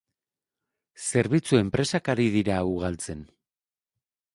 zerbitzu enpresak ari dira ugaltzen